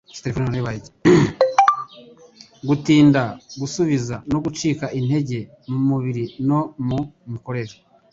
Gutinda gusubiza no gucika intege mu mubiri no mu mikorere